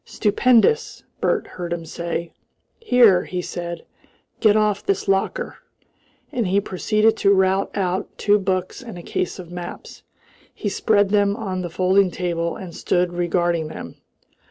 "Stupendous!" Bert heard him say. "Here!" he said, "get off this locker." And he proceeded to rout out two books and a case of maps. He spread them on the folding table, and stood regarding them.